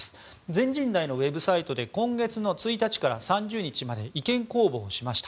全人代のウェブサイトで今月１日から３０日まで意見公募をしました。